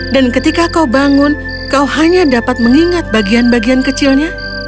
dan ketika kau bangun kau hanya dapat mengingat bagian bagian kecilnya